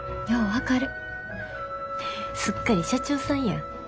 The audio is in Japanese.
すっかり社長さんやん。